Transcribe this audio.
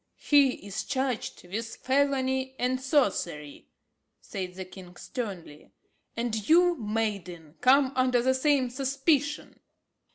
"He is charged with felony and sorcery," said the king sternly, "and you, maiden, come under the same suspicion."